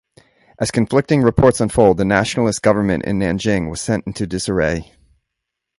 As conflicting reports unfold, the Nationalist government in Nanjing was sent into disarray.